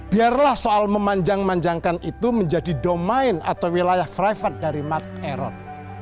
biarlah soal memanjang manjangkan itu menjadi domain atau wilayah private dari mark error